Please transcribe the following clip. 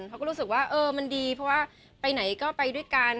เขาก็รู้สึกว่าเออมันดีเพราะว่าไปไหนก็ไปด้วยกัน